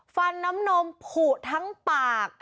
ฟันน้ำนมผูทั้งปาก